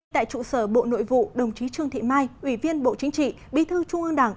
tại trụ sở bộ nội vụ đồng chí trương thị mai ủy viên bộ chính trị bí thư trung ương đảng